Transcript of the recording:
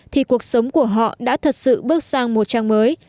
thì cuộc sống của họ đã thật sự bước sang một trang mới